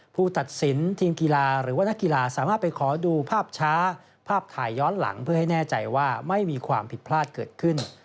ผู้ตัดสินทีมกีฬาหรือว่านักกีฬาสามารถไปขอดูภาพช้าภาพถ่ายย้อนหลังเพื่อให้แน่ใจว่าไม่มีความผิดพลาดเกิดขึ้น